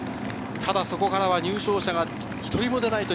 そこからは入賞者が１人も出ない。